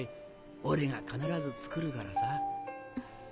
俺が必ず作るからさ。